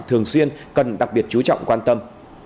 thường xuyên cần đặc biệt chú trọng quan tâm